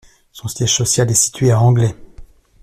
Son siège social est situé à Anglet.